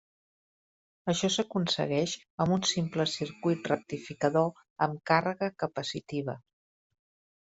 Això s'aconsegueix amb un simple circuit rectificador amb càrrega capacitiva.